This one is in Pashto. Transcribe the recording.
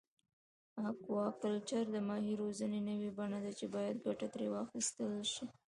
اکواکلچر د ماهي روزنې نوی بڼه ده چې باید ګټه ترې واخیستل شي.